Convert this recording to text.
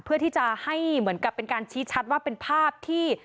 เพื่อที่จะให้เหมือนกับเป็นการชี้ชัดว่าเป็นภาพที่